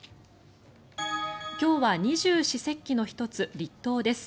今日は二十四節気の１つ、立冬です。